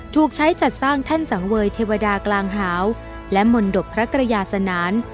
ถูกใช้จัดสร้างแท่นสังเวยเทวดากลางหาวและมนตบพระกระยาสนาน